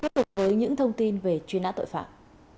bản tin cuối cùng với những thông tin về chuyên án tội phạm